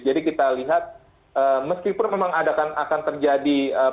jadi kita lihat meskipun memang akan terjadi potensi